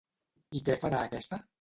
I què farà aquesta?